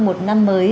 một năm mới